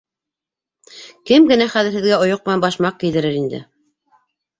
Кем генә хәҙер һеҙгә ойоҡ менән башмаҡ кейҙерер инде?